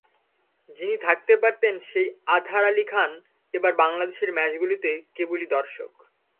যিনি থাকতে পারতেন, সেই আতহার আলী খান এবার বাংলাদেশের ম্যাচগুলোতে কেবলই দর্শক।